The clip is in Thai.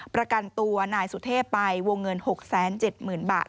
ประกันตัวนายสุเทพไปวงเงิน๖๗๐๐๐บาท